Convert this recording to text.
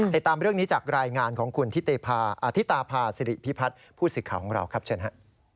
ติดตามเรื่องนี้จากรายงานของคุณอธิตาพาสิริพิพัฒน์ผู้สื่อข่าวของเราครับเชิญฮะ